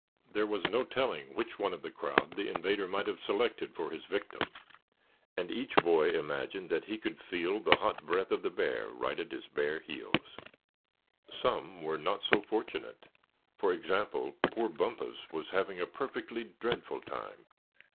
There was no telling which one of the crowd the invader might have selected for his victim, and each boy imagined that he could feel the hot breath of the bear right at his bare heels. Some were not so fortunate. For example, poor Bumpus was having a perfectly dreadful time.